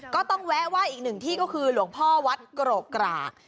แวะไหว้อีกหนึ่งที่ก็คือหลวงพ่อวัดโกรกกราก